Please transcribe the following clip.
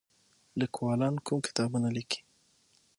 لیکوالان کوم کتابونه لیکي؟